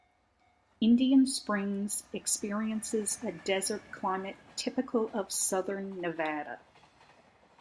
Indian Springs experiences a desert climate, typical of southern Nevada.